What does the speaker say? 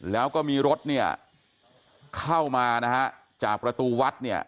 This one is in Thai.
แล้วก็มีรถเนี่ยเข้ามานะฮะจากประตูวัดเนี่ย